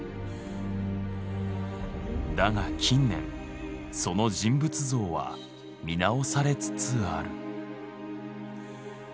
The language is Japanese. だが近年その人物像は見直されつつある。